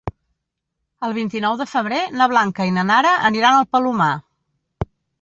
El vint-i-nou de febrer na Blanca i na Nara aniran al Palomar.